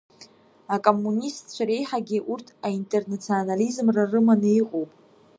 Акоммунистцәа реиҳагьы урҭ аинтернационализмра рыманы иҟоуп…